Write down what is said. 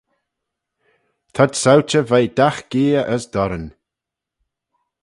T'ad sauchey veih dagh gheay as durryn.